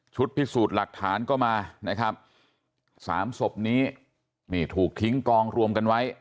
พิสูจน์หลักฐานก็มานะครับสามศพนี้นี่ถูกทิ้งกองรวมกันไว้